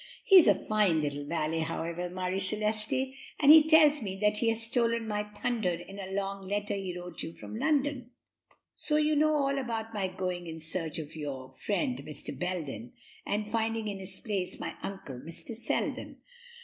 He's a fine little valet, however, Marie Celeste, and he tells me that he has stolen my thunder in a long letter he wrote you from London; so you know all about my going in search of your friend, Mr. Belden, and finding in his place my uncle, Mr. Selden.